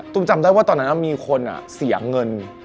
จำได้ว่าตอนนั้นมีคนเสียเงิน